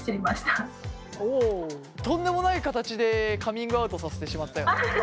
とんでもない形でカミングアウトさせてしまったよね。